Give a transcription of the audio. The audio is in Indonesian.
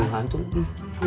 nggak ada apa apa